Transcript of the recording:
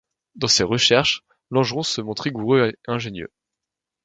Dans ses recherches, Langeron se montre rigoureux et ingénieux.